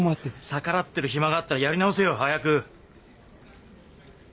逆らってる暇があったらやり直せよ早く！